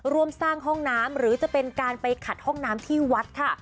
ร่วมสร้างห้องน้ำหรือจะเป็นการไปขัดห้องน้ำที่วัดค่ะ